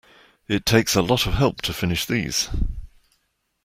It takes a lot of help to finish these.